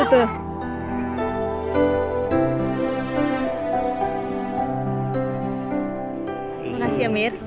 terima kasih amir